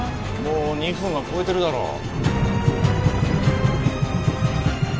もう２分は超えてるだろ